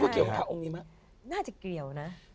ใช่พี่ครับน่าจะเกี่ยวนะ